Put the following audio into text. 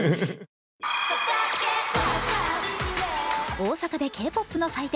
大阪でＫ−ＰＯＰの祭典